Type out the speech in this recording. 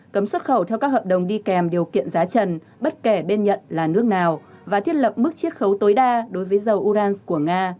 cấm xuất khẩu theo các hợp đồng đi kèm điều kiện giá trần bất kể bên nhận là nước nào và thiết lập mức chiết khấu tối đa đối với dầu urance của nga